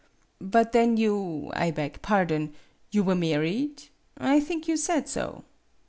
"But then you I beg pardon you were married ? I think you said so